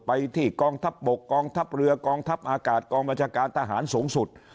ไปที่กองทัพบกกองทัพเรือกองทัพอากาศกองบัญชาการทหารสูงสุด